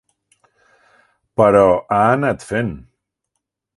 Però ha anat fent.